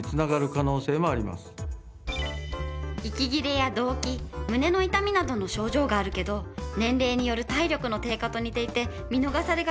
息切れや動悸胸の痛みなどの症状があるけど年齢による体力の低下と似ていて見逃されがちなの。